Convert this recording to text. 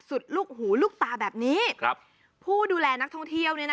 สุดยอดน้ำมันเครื่องจากญี่ปุ่น